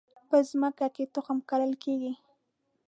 په مځکه کې تخم کرل کیږي